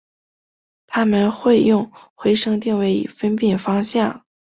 它们会用回声定位以分辨方向。